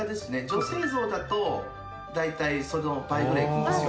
「女性像だと大体その倍ぐらいいくんですよ」